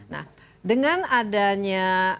nah dengan adanya